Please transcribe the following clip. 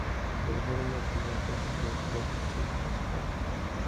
Desde los nueve años recibió clases de violonchelo de su padre.